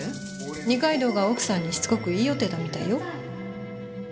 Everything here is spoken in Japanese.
二階堂が奥さんにしつこく言い寄ってたみたいよ。